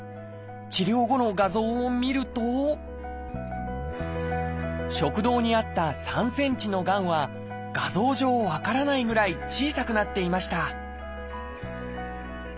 治療後の画像を見ると食道にあった３ｃｍのがんは画像上分からないぐらい小さくなっていました